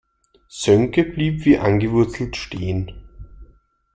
Sönke blieb wie angewurzelt stehen.